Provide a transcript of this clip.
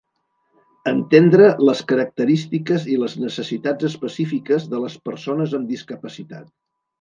Entendre les característiques i les necessitats específiques de les persones amb discapacitat.